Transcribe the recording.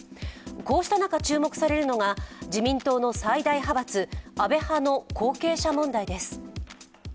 こうした中、注目されるのが自民党の最大派閥・安倍派の後継者問題です。